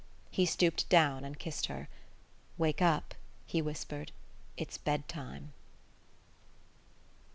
He stooped down and kissed her. "Wake up," he whispered, "it's bed time."